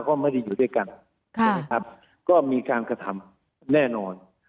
ก็ไม่ได้อยู่ด้วยกันก็มีการกระทำแน่นอน